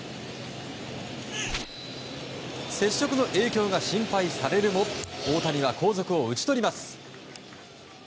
接触の影響が心配されるも大谷は後続を打ち取ります。